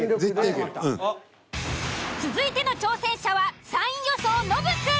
続いての挑戦者は３位予想ノブくん。